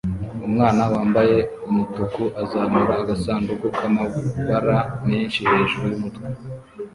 Umwana wambaye umutuku azamura agasanduku k'amabara menshi hejuru yumutwe